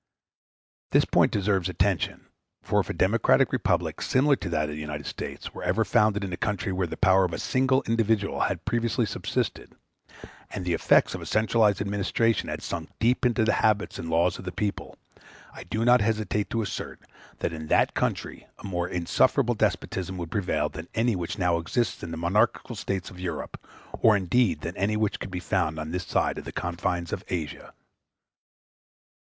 This point deserves attention, for if a democratic republic similar to that of the United States were ever founded in a country where the power of a single individual had previously subsisted, and the effects of a centralized administration had sunk deep into the habits and the laws of the people, I do not hesitate to assert, that in that country a more insufferable despotism would prevail than any which now exists in the monarchical States of Europe, or indeed than any which could be found on this side of the confines of Asia.